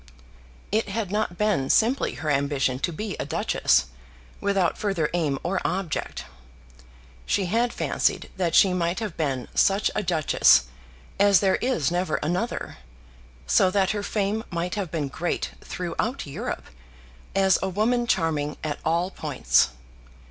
It had not been simply her ambition to be a duchess, without further aim or object. She had fancied that she might have been such a duchess as there is never another, so that her fame might have been great throughout Europe, as a woman charming at all points.